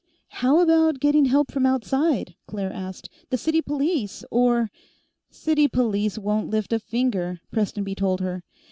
"How about getting help from outside?" Claire asked. "The city police, or " "City police won't lift a finger," Prestonby told her.